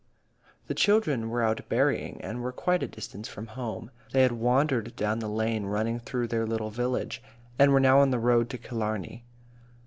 The children were out berrying, and were quite a distance from home. They had wandered down the lane running through their little village, and were now on the road to Killarney.